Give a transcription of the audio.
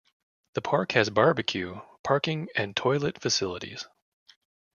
The park has barbeque, parking and toilet facilities.